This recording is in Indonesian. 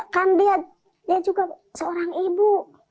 kan dia juga seorang ibu